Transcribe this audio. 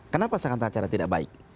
kenapa saya kata cara tidak baik